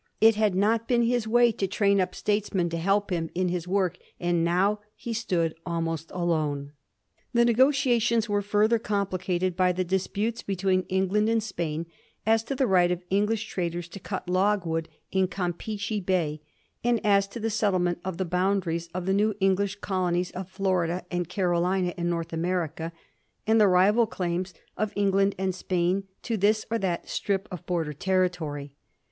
It had not been his way to train up statesmen to help him in his work, and now he stood almost alone. The negotiations were further complicated by the dis putes between England and Spain as to the right of Eng lish traders to cut logwood in Campeachy Bay, and as to the settlement of the boundaries of the new English col onies of Florida and Carolina in Noi*th America, and the rival claims of England and Spain to this or that strip of border territory.